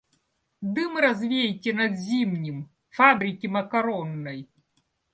Дым развейте над Зимним — фабрики макаронной!